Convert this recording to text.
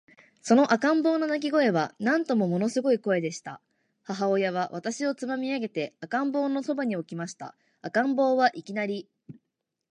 その赤ん坊の泣声は、なんとももの凄い声でした。母親は私をつまみ上げて、赤ん坊の傍に置きました。赤ん坊は、いきなり、